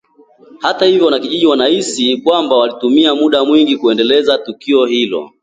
Hata hivyo, wanakijiji walihisi kwamba walitumia muda mwingi kuendeleza tukio hilo